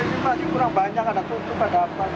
ini masih kurang banyak ada tutup ada apa